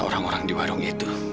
orang orang di warung itu